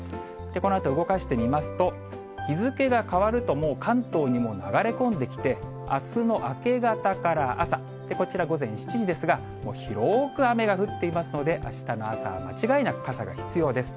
このあと動かしてみますと、日付が変わるともう、関東にも流れ込んできて、あすの明け方から朝、こちら午前７時ですが、広く雨が降っていますので、あしたの朝は間違いなく傘が必要です。